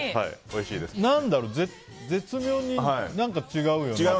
何だろう、絶妙に何か違うよね。